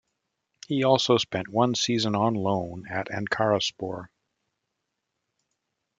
He also spent one season on loan at Ankaraspor.